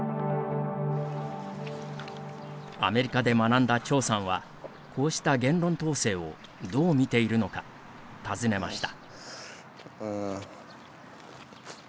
アメリカで学んだ張さんはこうした言論統制をどう見ているのか、尋ねました。